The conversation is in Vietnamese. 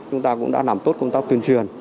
chúng ta cũng đã làm tốt công tác tuyên truyền